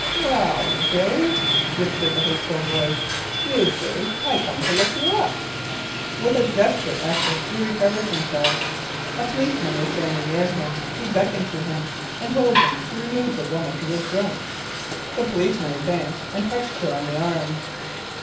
"Well, Billy!" whispered the hateful voice, "you see I've come to look you up." With a desperate effort he recovered himself. A policeman was standing near. He beckoned to him, and told him to remove the woman, who was drunk. The policeman advanced and touched her on the arm.